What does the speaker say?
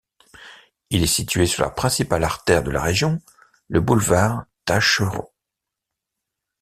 Il est situé sur la principale artère de la région, le boulevard Taschereau.